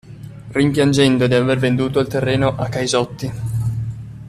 Rimpiangendo di aver venduto il terreno a Caisotti.